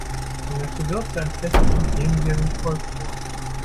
Um das Gewirr zu entflechten, gehen wir wie folgt vor.